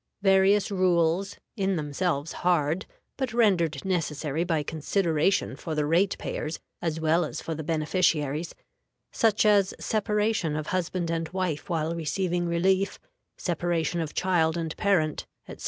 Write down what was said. Various rules, in themselves hard, but rendered necessary by consideration for the rate payers as well as for the beneficiaries, such as separation of husband and wife while receiving relief, separation of child and parent, etc.